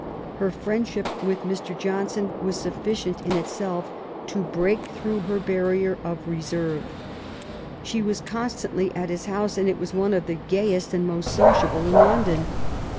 Her friendship with Mr. Johnson was sufficient in itself to break through her barrier of reserve. She was constantly at his house, and it was one of the gayest and most sociable in London.